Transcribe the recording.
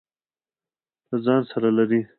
له ځان سره لري.